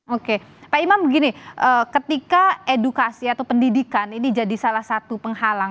oke pak imam begini ketika edukasi atau pendidikan ini jadi salah satu penghalang